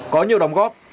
có nhiều đóng góp